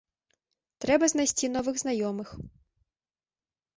Трэба знайсці новых знаёмых.